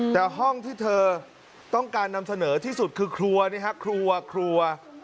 แต่ห้องที่เธอต้องการนำเสนอที่สุดคือครัวนี่ฮะครัวครัว